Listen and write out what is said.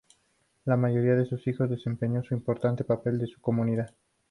La mayoría de sus hijos desempeñó un importante papel en su comunidad.